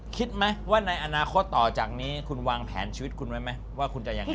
คิดไหมว่าในอนาคตต่อจากนี้คุณวางแผนชีวิตคุณไว้ไหมว่าคุณจะยังไง